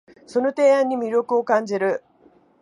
その提案に魅力を感じる